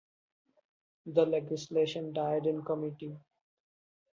The legislation died in committee.